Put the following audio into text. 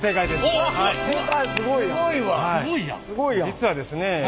実はですね